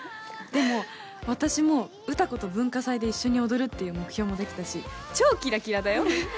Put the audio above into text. でも私も詩子と文化祭で一緒に踊るっていう目標もできたし超キラキラだよ。